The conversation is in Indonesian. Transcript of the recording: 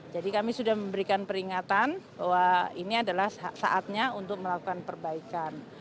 kami sudah memberikan peringatan bahwa ini adalah saatnya untuk melakukan perbaikan